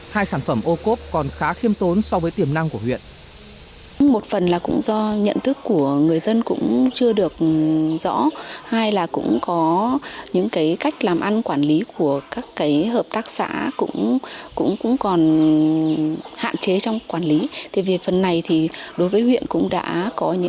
hai sản phẩm ô cốp còn khá khiêm tốn so với tiềm năng của huyện